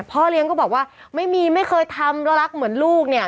พ่อเลี้ยงก็บอกว่าไม่มีไม่เคยทำแล้วรักเหมือนลูกเนี่ย